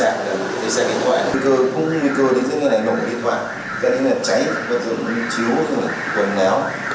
không như nguy cơ thì sẽ như thế này nồng điện thoại